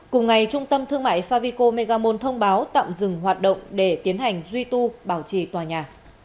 cùng ngày trung tâm thương mại saviko megamon thông báo tạm dừng hoạt động để tiến hành duy tu bảo trì tòa nhà